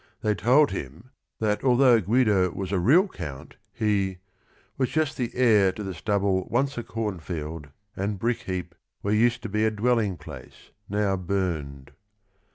They told him, that although Guido was a real count, he "was just the heir To the stubble once a corn field, and brick heap Where used to be a dwelling place, now burned."